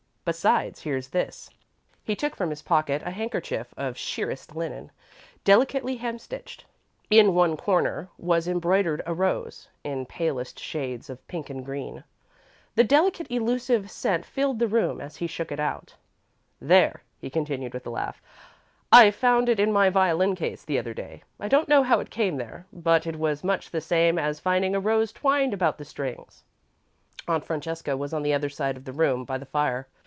Besides, here's this." He took from his pocket a handkerchief of sheerest linen, delicately hemstitched. In one corner was embroidered a rose, in palest shades of pink and green. The delicate, elusive scent filled the room as he shook it out. "There," he continued, with a laugh. "I found it in my violin case the other day. I don't know how it came there, but it was much the same as finding a rose twined about the strings." Aunt Francesca was on the other side of the room, by the fire.